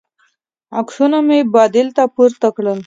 عکسونه مې بادل ته پورته کړل.